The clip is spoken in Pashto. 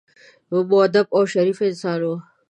مودب او شریف انسانان وو.